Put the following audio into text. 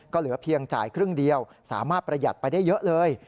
ก็เหลือเพียงจ่ายครึ่งเดียวสามารถประหยัดไปได้เยอะเลย